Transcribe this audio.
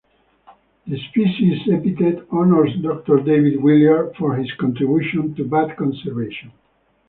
The species epithet honours Doctor David Willard for his contribution to bat conservation.